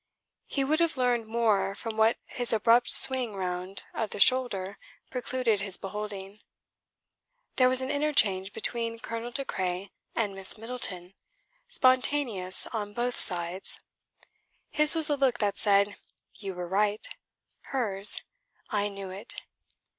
He would have learned more from what his abrupt swing round of the shoulder precluded his beholding. There was an interchange between Colonel De Craye and Miss Middleton; spontaneous on both sides. His was a look that said: "You were right"; hers: "I knew it".